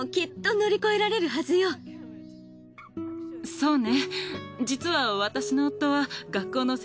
そうね。